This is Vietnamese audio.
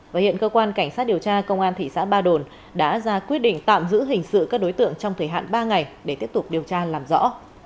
và hiện cơ quan cảnh sát điều tra công an thị xã ba đồn đã ra quyết định tạm giữ hình sự các đối tượng trong thời hạn ba ngày để tiếp tục điều tra làm rõ